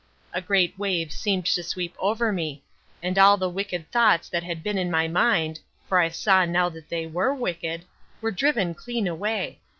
A great wave seemed to sweep over me, and all the wicked thoughts that had been in my mind for I saw now that they were wicked were driven clean away.